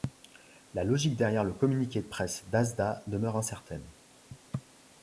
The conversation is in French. La logique derrière le communiqué de presse d'Asda demeure incertaine.